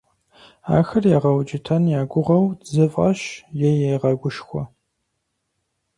Ахэр ягъэукӀытэн я гугъэу дзы фӀащ е ягъэгушхуэ.